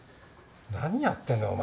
何やってんだお前